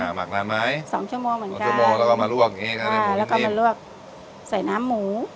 หมักนานไหมสองชั่วโมงเหมือนกันชั่วโมงแล้วก็มาลวกอย่างงี้ก็ได้แล้วก็มาลวกใส่น้ำหมู